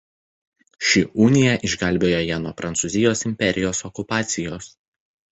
Ši unija išgelbėjo ją nuo Prancūzijos imperijos okupacijos.